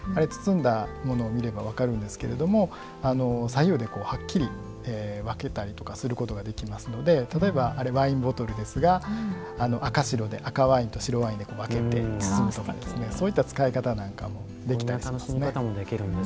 包んだものを見れば分かるんですけれども左右ではっきり分けたりとかすることができますので例えば、ワインボトルですが赤白で赤ワインと白ワインで分けて包むとかそういった使い方なんかもできたりしますね。